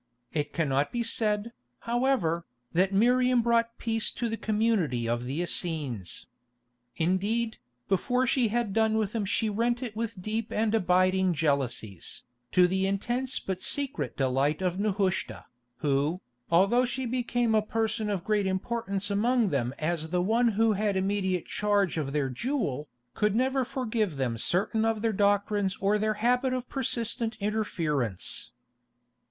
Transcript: It cannot be said, however, that Miriam brought peace to the community of the Essenes. Indeed, before she had done with them she rent it with deep and abiding jealousies, to the intense but secret delight of Nehushta, who, although she became a person of great importance among them as the one who had immediate charge of their jewel, could never forgive them certain of their doctrines or their habit of persistent interference.